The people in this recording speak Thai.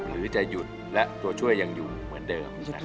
หรือจะหยุดและตัวช่วยยังอยู่เหมือนเดิม